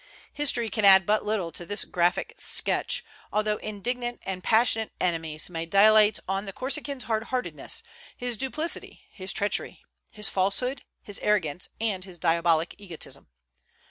History can add but little to this graphic sketch, although indignant and passionate enemies may dilate on the Corsican's hard heartedness, his duplicity, his treachery, his falsehood, his arrogance, and his diabolic egotism.